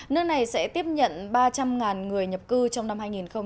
nước này sẽ tiếp nhận ba trăm linh người nhập cư trong năm hai nghìn một mươi bảy